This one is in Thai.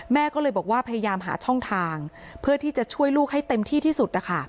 แม่ก็เลยบอกว่าพยายามหาช่องทางเพื่อที่จะช่วยลูกให้เต็มที่ที่สุดนะคะ